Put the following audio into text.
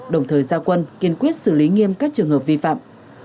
đồng thời giao quân kiên quyết xử lý nghiêm các trường hợp vi phạm